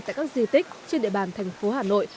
tại các di tích trên địa bàn thành phố hà nội